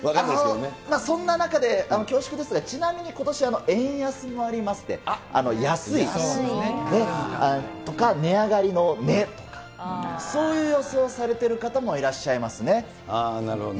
そんな中で、恐縮ですが、ちなみにことし、円安もありますんで、安いとか値上がりの値、そういう予想をされてる方もいらっしゃいなるほどね。